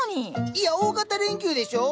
いや大型連休でしょう？